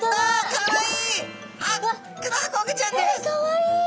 かわいい。